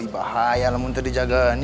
bahaya lah muntah dijagaannya